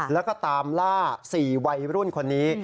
แล้วก็ตามล่า๔วัยรุ่นคนนี้